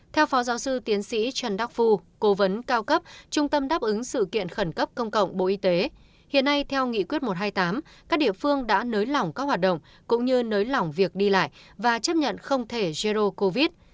theo phó giáo sư tiến sĩ trần đắc phu cố vấn cao cấp trung tâm đáp ứng sự kiện khẩn cấp công cộng bộ y tế hiện nay theo nghị quyết một trăm hai mươi tám các địa phương đã nới lỏng các hoạt động cũng như nới lỏng việc đi lại và chấp nhận không thể jero covid